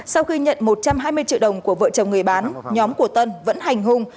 sau khi nhận một trăm hai mươi triệu đồng của vợ chồng người bán nhóm của tân vẫn hành hung